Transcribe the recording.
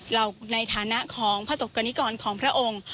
เราในฐานะของพระศกกรณิกรของพระองค์